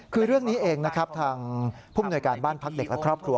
คือเรื่องนี้เองนะครับทางผู้มนวยการบ้านพักเด็กและครอบครัว